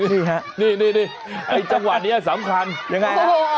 นี่ครับนี่จังหวัดนี้สำคัญอย่างไรครับโอ้โฮ